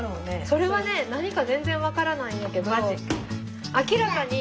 それはね何か全然分からないんやけど明らかに。